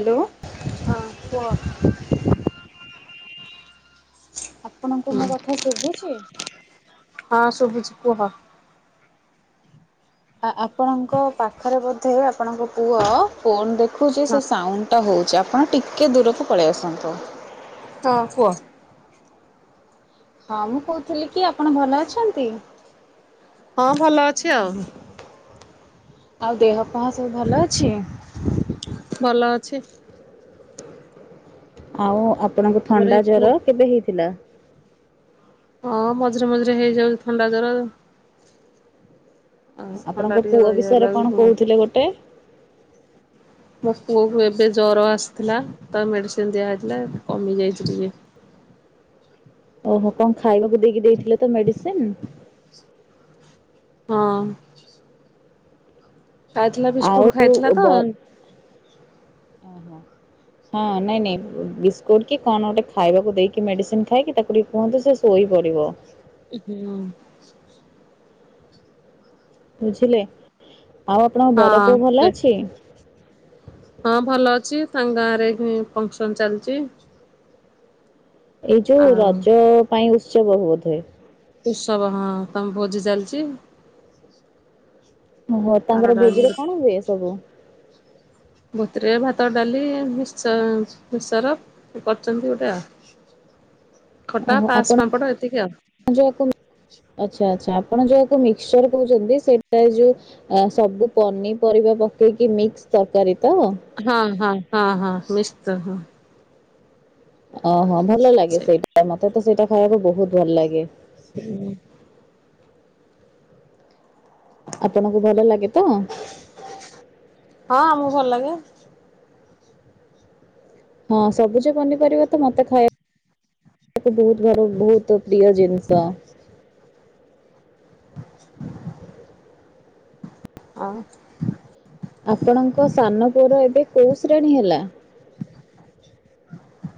Hello ହଁ କୁହ। ଆପଣଙ୍କୁ ହୁଁ ମୋ କଥା ଶୁଭୁଛି। ହଁ ଶୁଭୁଛି କୁହ। ଆ ଆପଣଙ୍କ ପାଖରେ ବୋଧେ ଆପଣଙ୍କ ପୁଅ ଫୋନ ଦେଖୁ ଦେଖୁଛି ହଁ ସେ ସାଉଣ୍ଡଟା ହଉଛି ଆପଣ ଟିକ୍ ଟିକେ ଦୂରକୁ ପଳେଇ ଆସନ୍ତୁ। ହଁ କୁହ। ହଁ ମୁଁ କହୁଥିଲି କି ଆପଣ ଭଲ ଅଛନ୍ତି? ହଁ ଭଲ ଅଛି ଆଉ। ଆଉ ଦେହ ପା ସବୁ ଭଲ ଅଛି। ଭଲ ଅଛି। ଆଉ, ଆପଣଙ୍କୁ ଆମର ଏ ଥଣ୍ଡା ପୁଅ ଜ୍ଵର କେବେ ହେଇଥିଲା, ହଁ ମଝିରେ ମଝିରେ ହେଇଯାଉଛି ଥଣ୍ଡା ଜ୍ଵରଆଉ। ଆପଣଙ୍କ ପୁଅ ବିଷୟରେ କଣ ମୋ କହୁଥିଲେ ଗୋଟେ। ମୋ ପୁଅକୁ ଏବେ ଜ୍ଵର ଆସିଥିଲା ତ ମେଡିସିନ ଦିଆହୋଇଥିଲା କମି ଯାଇଛି ଟିକେ। ଓହୋ କଣ ଖାଇବାକୁ ଦେଇକି ଦେଇଥିଲେ ତ ମେଡିସିନ। ହଁ ଖାଇଥିଲା ଆଉ ବିସ୍କୁଟ ଖାଇଥିଲତ। ବ ହଁ ନାଇଁ ନାଇଁ ବିସ୍କୁଟ କି କଣ ଗୋଟେ ଖାଇବାକୁ ଦେଇକି ମେଡିସିନ ଖାଇକି ତାକୁ ଟିକେ କୁହନ୍ତୁ ସେ ଶୋଇ ପଡିବ। ହୁଁ ବୁଝିଲେ? ଆଉ ଆପଣଙ୍କ ବଡ ପୁଅ ଭଲ ସେ ଅଛି। ହଁ ଭଲ ଅଛି ତାଙ୍କ ଗାଁ ରେ ଫଙ୍କସନ ଚାଲିଛି। ଏଇ ଯୋଉ ଆଉ ରଜ ପାଇଁ, ଶୁଭ ହଉଥାଏ। ଉତ୍ସବ ହଁ ତମ ଭୋଜି ଚାଲିଛି। ଓହୋ ତାଙ୍କର ଭୋଜିରେ ବାରଟା କଣ ହୁଏ ସବୁ। ଭୋଜିରେ ଭାତ ଡାଲି ମିକ୍ସଚର କରିଛନ୍ତି ଗୋଟେ ଆଉ। ଖଟା ଓହୋ ପାସ୍ ଆପଣ ପାମ୍ପଡ଼ ଏତିକି ଆଉ ଆଚ୍ଛା ଆଚ୍ଛା ଆପଣ ଯ ମିକ୍ସଚର କହୁଛନ୍ତି ସେଟା ଯୋଉ ସବୁ ପନିପରିବା ପକେଇକି ମିକ୍ସ ତରକାରୀ ତ ହଁ ହଁ। ହଁ ହଁ ମିସ୍ତ ହଁ ଓହୋ। ଭଲ ଲାଗେ ସେଇଟା ମତେ ତ ସେଇଟା ଖାଇବାକୁ ବହୁତ ଭଲ ଲାଗେ ହୁଁ ହୁଁ, ଆପଣଙ୍କୁ ଭଲ ଲାଗେ ତ? ହଁ ଆମକୁ ଭଲ ଲାଗେ। ହଁ ସବୁଜ ପନିପରିବା ତ ମତେ ଖାଇବାକୁ ବହୁତ ଭ ବହୁତ ପ୍ରିୟ ଜିନିଷ।। ହଁ। ଆପଣଙ୍କ ସାନ ପୁଅ ର ଏବେ କୋଉ ଶ୍ରେଣୀ ହେଲା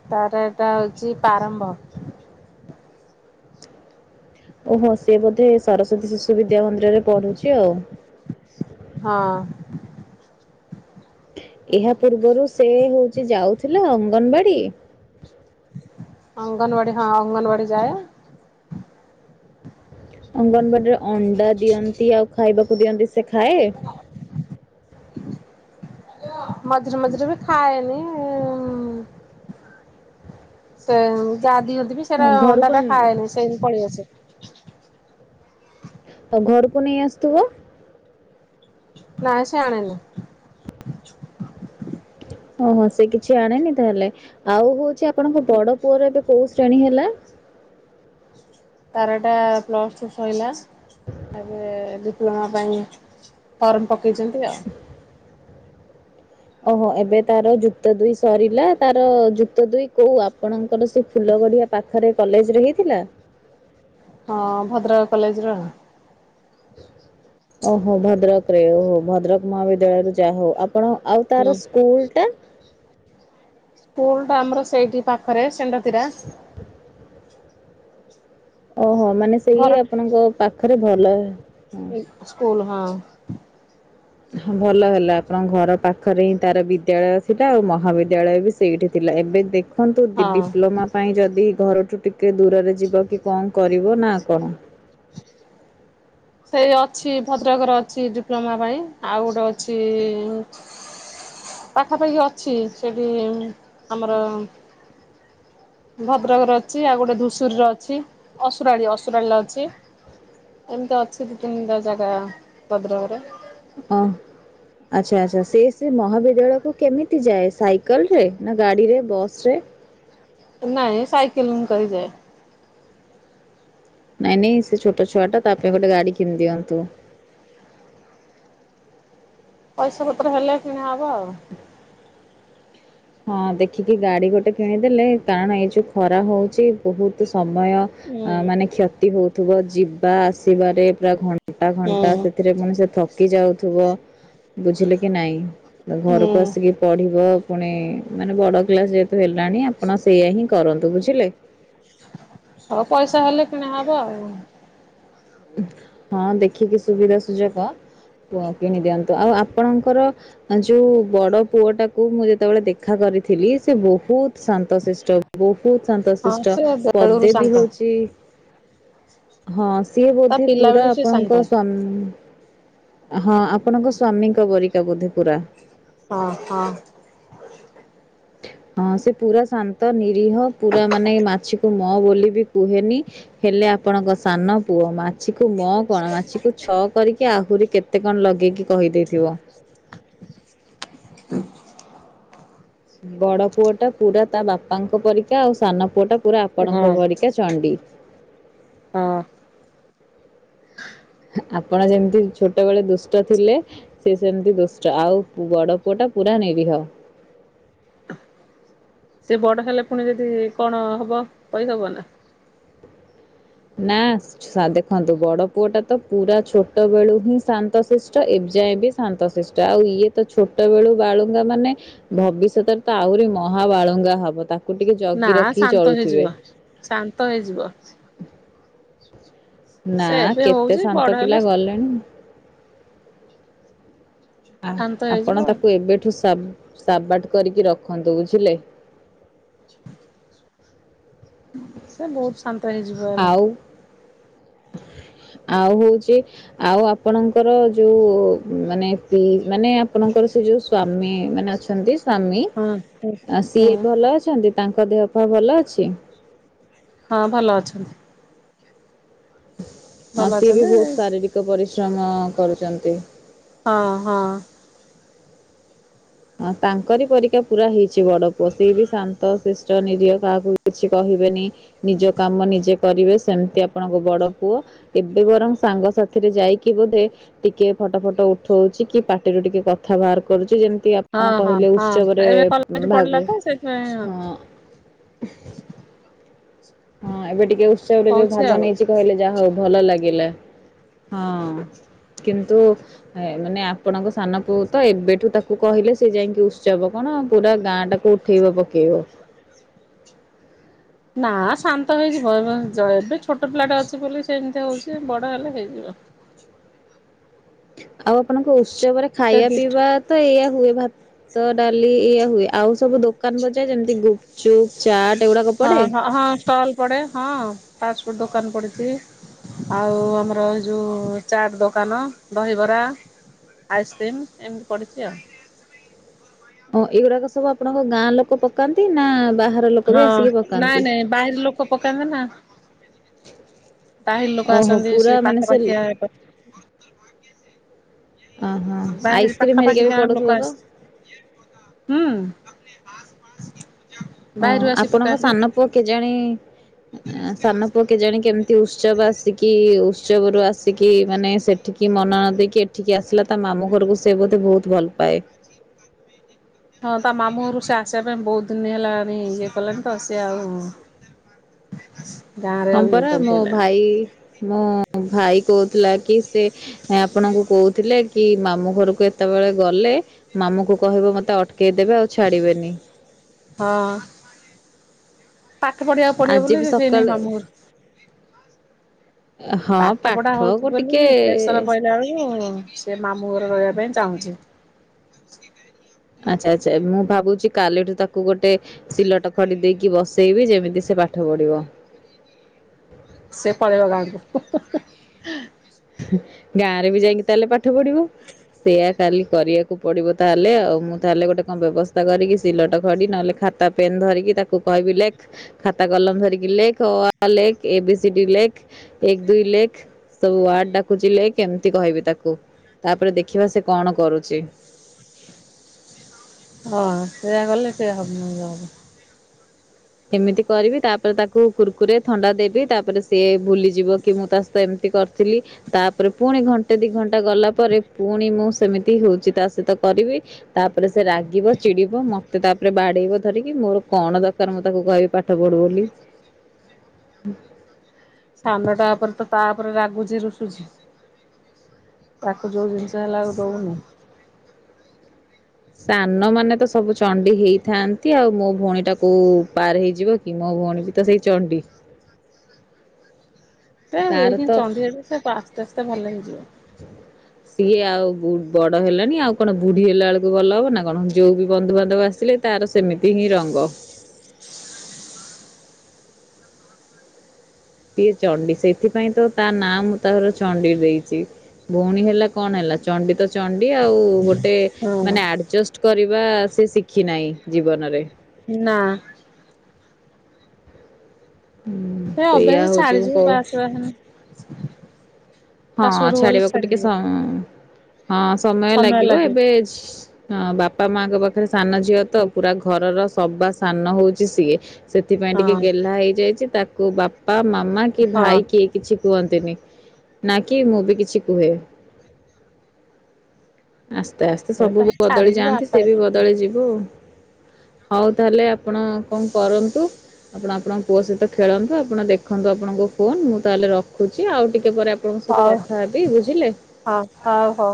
ତାର ଏଟା ହଉଛି ପ୍ରାରମ୍ଭ। ଓହୋ ସିଏ ବୋଧେ ସରସ୍ଵତୀ ଶିଶୁ ବିଦ୍ୟା ମନ୍ଦିର ପଢୁଛି ଆଉ ହଁ। ଏହା ପୂର୍ବରୁ ସେ ହଉଛି ଯାଉଥିଲା ଅଙ୍ଗନବାଡି ଅଙ୍ଗନବାଡି ହଁ ଅଙ୍ଗନବାଡି ଯାଏ ଅଙ୍ଗନବାଡିରେ ଅଣ୍ଡା ଦିଅନ୍ତି ଆଉ ଖାଇବାକୁ ଦିଅନ୍ତି ସେ ଖାଏ। ମଝିରେ ମଝିରେ ବି ଖାଏନି ସେ ଯା ଦିଅ ଯି ଅ, ସେଟ ଅଣ୍ଡା ଘରକୁ ଟା ନ- ଖାଏନି ସେଇି ପଳେଇଆସେ ଆଉ ଘରକୁ ନେଇ ଆସୁଥିବ। ନାଁଇ ସିଏ ଆଣେନି। ଓହୋ ସେ କିଛି ଆଣିନି ତାହେଲେ ଆଉ ହଉଚି ଆପ ଆପଣଙ୍କ ବଡ ପୁଅର ଏବେ କୋଉ ଶେ ଶ୍ରେଣୀ ହେଲା ତାର ଇଟା ପ୍ଲସ ଟୁ ସଇଲା। ଆଉ ଏଵେ ଡିପ୍ ପୂରଣ ପାଇଁ ଫର୍ମ ପକେଇଛନ୍ତି ଆଉ ଓହୋ ଏବେ ତାର ଜୁତ ଦୁଇ ସରିଲା ତାର ଜୁତ ଦୁଇ କୋଉ ଆପଣଙ୍କର ସେ ଫୁଲ ଗଡିଆ ପାଖରେ କଲେଜରେ ହେଇଥିଲା।। ହଁ ଭଦ୍ରକ କଲେଜ ର ଓହୋ ଭଦ୍ରକ ରେ ଓହୋ ଭଦ୍ରକ ମହାବିଦ୍ୟାଳୟରୁ ଯାହା ହଉ ଆପ ଆପଣ ଆଉ ହୁଁ। ତାର ସ୍କୁଲ ଟା? ସ୍କୁଲ ଟା ଆମର ସେଇଠି ପାଖରେ ସେନଡ୍ ସେଟା ଓହୋ ମାନେ ସେଇ ଆପଣଙ୍କ ପାଖରେ ଭଲ ସ୍କୁ ସ୍କୁଲ ହଁ। ହଁ ଭଲ ହେଲା। ଆପଣଙ୍କ ଘର ପାଖରେ ହିଁ ତାର ବିଦ୍ୟାଳୟ ଥିଲା ଆଉ ମହାବିଦ୍ୟାଳୟ ବି ସେଇଠି ଥିଲା ଏବେ ଦେଖ ଦେଖନ୍ତୁ ହଁ। ଡିପ୍ଲୋମା ପାଇଁ ଯଦି ଘରଠୁ ଟିକେ ଟିକେ ଦୂରରେ ଯିବ କି କ କରିବ ନା କଣ? ସେଇ ଅଛି ଭଦ୍ରକର ଅଛି ଡିପ୍ଲୋମା ପାଇଁ ଆଉ ଗୋଟେ ଅଛି ପାଖାପାଖି ଅଛି ସେଠି ଆମର ଭଦ୍ରକରେ ଅଛି ଆଉ ଗୋଟେ ଧୂସୁରୀରେ ଅଛି ଅସୁରାଳୀ ଅସୁରାଳୀରେ ଅଛି ଏମିତି ଅଛି ଦି ତିନିଟା ଜାଗା ଭଦ୍ରକରେ। ଓ ଆଚ୍ଛା ଆଚ୍ଛା ସେ ସେ ମହାବିଦ୍ୟାଳୟକୁ କେମିତି ଯାଏ ସାଇକେଲ ରେ ନା ଗାଡିରେ ବସ ରେ? ନାଇଁ ସାାଇକେଲିଂ କରିକି ଯାଏ। ନାଇଁ ନାଇଁ ସେ ଛୋ ଟ ଛୁଆଟା ତା ପାଇଁ ଗଟେ ଗାଡ଼ି କିଣି ଦିଅନ୍ତୁ। ପଇସା ପତ୍ର ହେଲେ କିଣା ହବ ଆଉ। ହଁ ଦେଖିକି ଗାଡି ଗୋଟେ କିଣିଦେଲେ କାରଣ ଏଇ ଯୋଉ ଖରା ହଉଚି ବହୁତ ସମୟ ଅ ହୁଁ ମାନେ କ୍ଷତି ହଉଥିବ ଯିବା ଆସିବାରେ ପୁରା ଘଣ୍ଟା ଘଣ୍ଟା ହୁଁ ସେଥିରେ ପୁଣି ସେ ଥକି ଯାଉଥିବ ବୁଝିଲେ କି ନାଇଁ ହୁଁ ଘରକୁ ଆସିକି ପଢିବ । ପୁଣି ମାନେ ବଡ କ୍ଲାସ ଯେହେତୁ ହେଲାଣି ଆପଣ ସେଇଆା ହିଁ କରନ୍ତୁ ବୁଝିଲେ। ହଉ ପଇସା ହେଲେ କିଣା ହବ ଆଉ। ହଁ ଦେଖିକି ସୁବିଧା ସୁଯୋଗ କିଣିଦିଅନ୍ତୁ ଆଉ ଆପଣଙ୍କର ଯୋଉ ବଡ ପୁଅ ଟାକୁ ମୁଁ ଯେ ଯେତେବେଳେ ଦେଖା କରିଥିଲି ସେ ବହୁତ ଶାନ୍ତଶିଷ୍ଟ ବହୁତ ହଁ ଶାନ୍ତଶିଷ୍ଟ ସେ ବେଳୁରୁ ପଦେ ବି ଶାନ୍ତ ହଉଛି ହଁ ସେ ସିଏ ତା ବୋଧେ ପିଲା ପୁରା ବେଳୁ ସେ ଆପଣଙ୍କ ଶାନ୍ତ ସ୍ୱାମୀ ହଁ ଆପଣଙ୍କ ସ୍ଵାମୀଙ୍କ ପରିକା ବୋଧେ ପୁରା। ହଁ ହଁ ହଁ ସେ ପୁରା ଶାନ୍ତ ନି ରିହ ପୁରା ମାନେ ମାଛିକୁ ମ ମ ବୋଲି ବି କୁହେନି ହେଲେ ଆପଣଙ୍କ ସାନ ପୁଅ ମା ମାଛିକୁ ମ କଣ ମାଛିକୁ ଛଅ କରିକି ଆହୁରି କେତେ କଣ ଲଗେଇକି କହିଦେଇଥିବ। ବଡ଼ ପୁଅଟା ପୁରା ତା ବାପାଙ୍କ ପରୀକ୍ଷା ଆଉ ସାନ ପୁଅଟା ପୁରା ଆପଣଙ୍କ ହଁ ପରିକା ଚଣ୍ଡୀ। ହ [inaudible] ଆପଣ ଯେମିତି ଛୋଟବେଳେ ଦୁଷ୍ଟ ଥିଲେ ସେ ସେମିତି ଦୁଷ୍ଟ ଆଉ ବଡ ପୁଅ ଟା ପୁରା ନିରିହ। ସେ ବଡ ହେଲେ ପୁଣି ଯଦି କଣ ହବ କହି ହବନା ନାଁ ସା ଦେଖନ୍ତୁ ବଡ଼ ପୁଅଟା ତ ପୁରା ଛୋଟ ବେଳୁ ହିଁ ଶାନ୍ତ ଶିଷ୍ଟ ଏ ଯାଏଁ ବି ଶାନ୍ତ ଶିଷ୍ଟ। ଆଉ ଇଏ ତ ଛୋଟ ବେଳୁ ବାଳୁଙ୍ଗା ମାନେ ଭବିଷ୍ୟତରେ ତ ଆହୁରି ମହା ବାଳୁଙ୍ଗା ହବ। ତା ନାଁ ଶାନ୍ତ ହେଇଯିବ ଶାନ୍ତ ହେଇଯିବ। ସେ ନାଁ ଏବେ କେତେ ହଉଛି ବଡ ଶାନ୍ତ ହେଲେ ପିଲା ଗଲେଣି। ଆ ଶାନ୍ତ ହେଇଯିବ ଆପଣ ତାକୁ ଏବେଠୁ ସା ସାବାଟ କରିକି ରଖନ୍ତୁ ବୁଝିଲେ। [inaudible] ସେ ବୋହୁ ଶାନ୍ତ ହେଇଯିବ ଏବେ ଆଉ ଆଉ ହୋଉଚି ଆଉ ଆପଣଙ୍କର ଯୋଉ ମାନେ ପି ମାନେ ଆପଣଙ୍କର ସେ ଯୋଉ ସ୍ଵାମୀ ମାନେ ଅଛନ୍ତି ସ୍ଵାମୀ ହଁ ହଁ ଅ ହଁ। ସିଏ ଭଲ ଅଛନ୍ତି ତାଁ କ ଦେହ ପା ଭଲ ଅଛି? ହଁ ଭଲ ଅଛନ୍ତି। ହଁ ଭଲ ସିଏ ବି ଅଛନ୍ତି। ବୋହୁତ ଶାରୀରିକ ପରିଶ୍ର ଚମ କରୁଚନ୍ତି। ହଁ ହଁ। ହଁ ତାଙ୍କରି ପରିକା ପୁରା ହେଇଚି ବଡ଼ ପୁଅ ସିଏ ବି ଶାନ୍ତ ଶିଷ୍ଟ ନିରହ କାହାକୁ କିଛି କହିବେନି ନିଜ କାମ ନିଜେ କରିବେ ସେମତି ଆପଣଙ୍କ ବଡ଼ ପୁଅ ଏବେ ବରଂ ସାଙ୍ଗ ସାଥିରେ ଯାଇକି ବୋଧେ ଟିକେ ଫଟ ଫଟ ଉଠଉଚି କି ପାଟିରୁ ଟିକେ କଥା ବାହାର କରୁଚି ଯେମତି ଆ ହଁ ହଁ ହଁ ଏବେ କଲେଜ ପଡ଼ିଲା ତ ସେଥିପାଇଁ ହଁ ହଁ ଏବେ ଟିକେ ଉତ୍ସବରେ ଯୋଉ ଭାଗ ଆଉ। ନେଇଚି କହିଲେ ଯାହା ହୋଉ ଭଲ ଲାଗିଲା। ହଁ କିନ୍ତୁ ଏ ମାନେ ଆପଣଙ୍କ ସାନ ପଅକୁ ତ ଏବେଠୁ ତାକୁ କୁ କହିଲେ ସେ ଯାଇଁକି ଉତ୍ସବ କଣ ପୁରା ଗାଁ ଟାକୁ ଉଠେଇବ ପକେଇବ। ନାଁ ଶାନ୍ତ ହେଇଯିବ, ଏବେ ଜ ଏବେ ଛୋଟ ପିଲାଟେ ଅଛି ବୋଲି ସେମତି ହୋଉଚି ବଡ ହେଲେ ହେଇଯିବ। ଆଉ ଆପଣଙ୍କ ଓସ୍ ଉତ୍ସବରେ ସେ ଖାଇବା ଦୁଷ୍ଟ ପିଇବା ତ ଏଇଆ ହୁଏ ଭାତ ଡାଲି ଏଇଆ ହୁଏ ଆଉ ସବୁ ଦୋ କାନ ବଜା ଯେମିତି ଗୁପଚୁପ୍ ଚାଟ ଏଉଡାକ ପଡ଼େ? ହଁ ହଁ ଟୁ ଡୋକାନ ପଡ଼ିଚି, ଆଉ ଆମର ଏ ଯୋଉ ଚାଟ ଦୋକାନ, ଦହିବରା, ଆଇସ୍କ୍ରିମ୍ ଏମତି ପଡ଼ିଚି ଆଉ। ହଁ ଏଉରାକ ସବୁ ଆପଣଙ୍କ ଗାଁ ଲୋକ ପକାନ୍ତି ନାଁ ବା ହଁ ନାଇଁ ନାଇଁ ବାହିର ଲୋକ ପକାନ୍ତି ନାଁ [inaudible] ବାହିର ଲୋକ ଓହୋ ଆସନ୍ତି ପୁରା ସେ ମାନେ ପାଖାପାଖିଆ ଏପ [inaudible] ଅଁ ହଁ ଆଇସ୍କ୍ରିମ ପାଖାପାଖି ହେରିକା ବି ଗାଁ ଲୋକ ପଡୁଥୁବ ତ? ଆସି [inaudible] ହୁଁ। [inaudible] ହଁ ବାହାରୁ ଆସି ଆପଣଙ୍କ ପକାନ୍ତି। ସାନ ପୁଅ କେଯାଣି ଅଁ ସାନ ପୁଅ କେଜାଣି କେମ ଏ ଉତ୍ସବ ଆସିକି ଉତ୍ସବରୁ ଆସିକି ମାନେ ସେଠିକି ମନ ନ ଦେଇକି ଏଠିକି ଆସିଲା ତା ମାମୁଁ ଘରକୁ ସେ ବୋଧେ ବୋହୁତ ଭଲ ପାଏ। [inaudible] ହଁ ତା ମାମୁଁର ସେ ଆସିବା ପାଇଁ ବୋହୁତ ଦିନ ହେଲାଣି ଇଏ କଲେଣି ତ ସିଏ ଆଉ [inaudible] ହଁ ଇଏ ପରା ମୋ କରିପାରିଲାନି ଭାଇ ମୁଁ ଭାଇ କହୁଥିଲା କି ସେ ଆପଣଙ୍କୁ କହୁଥିଲେ କି ମାମୁଁ ଘରକୁ ଏତେବେଳେ ଗଲେ ମାମୁଁ କ କହିବ ମତେ ଅଟକେଇ ଦେବେ ଆଉ ଛାଡିବେନି। ହଁ। [inaudible] ପାଠ ପଢିବା ପଢିବା ଆଜି ବୋଲି ବି ସେଇନାଇଁ ସକାଳେ ମାମୁର। ହଁ ପାଠ ପଢା ହୋଉଚି ପାଠକୁ ଟିକେ ବୋଲି ପ୍ରେସର ପହିଲା ବେଳକୁ ସେ ମାମୁଁ ଘରେ ରହିବା ପାଇଁ ଚାହୁଁଚି। [inaudible] ଆଚ୍ଛା ଆଚ୍ଛା ମୁଁ ଭାବୁଚି କାଲିଠୁ ତାକୁ ଗୋଟେ ସିଲଟ ଖଡି ଦେଇକି ବସେଇବି ଯେମିତି ସେ ପାଠ ପଢିବ। [inaudible] ସେ ପରଳେଇବା ଗାଙ୍କୁ। ଗାଁ ରେ ବି ଯାଇକି ତାହେଲେ ପାଠ ପଢିବ ସେୟଆ କାଲି କରିବାକୁ ପଡିବ ତାହେଲେ ଆଉ ମୁଁ ତାହେଲେ ଗୋଟେ କଣ ବ୍ୟବସ୍ଥା କରିକି ସିଲଟ ଖଡି ନହେଲେ ଖାତା ପେନ୍ ଧରିକି ତାକୁ କହିବି ଲେଖ ଖାତା କଲମ ଧରିକି। ତାକୁ ଯିଲେ କେମିତି କହିବି ତାକୁ ତାପରେ ଦେଖିବା ସେ କଣ କରୁଚି। [inaudible] ହଁ ସେଇୟଆ ଗଲେ ସେ ହବନ ଯ ଏମିତି କରିବି ତାପରେ ତାକୁ କୁରୁକୁରୀ ରେ ଥଣ୍ଡା ଦେବି ତାପରେ ସିଏ ଭୁଲିଯିବ କି ମୁଁ ତା ସହିତ ଏମିତି କରିଥିଲି, ତାପରେ ପୁଣି ଘଣ୍ଟେ ଦି ଘଣ୍ଟା ଗଲା ପରେ ପୁଣି ମୁଁ ସେମିତି ହୋଉଚି ତା ସହିତ କରିବି। ତାପରେ ସେ ରାଗିବ ଚିଡିବ ମ ମ ତାପରେ ବାଡେଇବ ଧରିକି ମୋର କଣ ଦରକାର। ଦ ମୁଁ ତାକୁ କହିବି ପାଠ ପଢୁ ବୋଲି। ସାନଟା ଉପରେ ତ ତା ରେ ରାଗୁଛି ରୁଷୁଛି। ତାକୁ ଯୋଉ ଜିନିଷ ହେଲା ଆ ଦଉନି। ସାନ ମାନେ ତ ସବୁ ଚଣ୍ଡି ହେଇଥାନ୍ତି ଆଉ ମୋ ଭଉଣୀ ଟା କୋଉ ପାର ହେଇଯିବ କି ମୋ ଭଉଣୀ ବି ତ ସେଇ ଚଣ୍ଡି। ସେ ତାର ତ ଚନ୍ଦୀଗ଼ ପା ତତେେ ଭଲ ହେଇଯିବ। ସିଏ ଆଉ ବଡ ହେଲାଣି ଆଉ କଣ ବୁଢୀ ହେଲା ବେଳକୁ ଭଲ ହବ ନା କଣ ଯୋଉ ବି ବନ୍ଧୁବାନ୍ଧବ ଆସିଲେ ତାର ସେମିତି ହିଁ ରଙ୍ଗ। ସଏ ଚଣ୍ଡି ସେଇଥିପାଇଁ ତ ତା ନାଁ ମୁଁ ତାର ଚଣ୍ଡୀ ଦେଇଛି ଭଉଣୀ ହେଲା କଣ ହେଲା ଚଣ୍ଡୀ ତ ଚଣ୍ଡୀ ଆଉ ଗୋଟେ ଗୋଟେ ହଁ ମାନେ ଆଡ଼ଜଷ୍ଟ କରିବା ସେ ଶିଖି ନାହିଁ। ଜୀବନରେ। ନା। ହୁଁ ସେ ସେଇଆ ଅଭ୍ୟାସ ହଉଛି ମୁଁ ଛାଡିଯିବ କହୁ ବାସ ବାସନ [inaudible] ହଁ ଛାଡିବାକୁ ଟିକେ ହଁ ସମୟ ଲାଗିବ ଏବେ ହଁ ବାପା ମାଙ୍କ ପାଖରେ ସାନ ଝିଅ ତ ପୁରା ଘରର ସବାସ ସାନ ହଉଛି ସିଏ। ସେଥିପାଇଁ ଟିକେ ହଁ ଗେହ୍ଲା ହେଇଯାଇଛି ତାକୁ କୋଉ ବାପ ବାପା ମାମା କି ହଁ। ଭାଇ କିଏ କିଛି କୁହନ୍ତିନି । ନା କିି ମୁଁ ବି କିଛି କୁହେ । ଆସ୍ତେ ଆସ୍ତେ ସେ ସବୁ ତ ବଦଳି ଛାଡିଯିବ ଯାଆନ୍ତି ଆପେ ସେ ବି ଆପେ ବଦଳି ଯିବୁ ଆଉ। ହଉ ତାହେଲେ ଆପଣ କଣ କରନ୍ତୁ ଆପଣ ଆପଣଙ୍କ ପୁଅ ସହିତ ଖେଳନ୍ତୁ ଆପଣ ଦେଖନ୍ତୁ ଆପଣଙ୍କୁ ଫୋନ ମୁଁ ତାହେଲେ ରଖୁଛି ଆଉ ଟିକେ ପରେ ଆପଣଙ୍କ ସହିତ ହଉ କଥା ହେବି ବୁଝିଲେ। ହଁ ହଉ ହଉ।